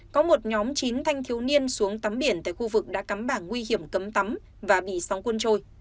có một nhóm chín thanh thiếu niên xuống tắm biển tại khu vực đã cắm bảng nguy hiểm cấm tắm và bị sóng quân trôi